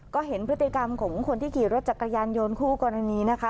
ก็เห็นพฤติกรรมของคนที่ขี่รถจักรยานยนต์คู่กรณีนะคะ